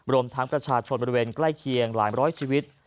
รวมทั้งประชาชนบริเวณใกล้เคียงหลายร้อยชีวิต